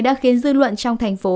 đã khiến dư luận trong thành phố